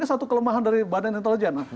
ini satu kelemahan dari badan intelijen